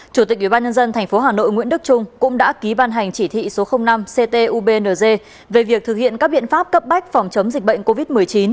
chủ tịch ubnd tp hà nội nguyễn đức trung cũng đã ký ban hành chỉ thị số năm ctubng về việc thực hiện các biện pháp cấp bách phòng chống dịch bệnh covid một mươi chín